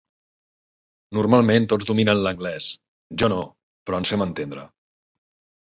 Normalment tots dominen l'anglès, jo no, però ens fem entendre.